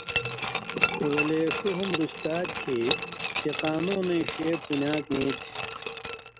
ولے ݜُو ہُم رُشتا تھی چے قانُونَیں ݜے پُنیاک نی تھی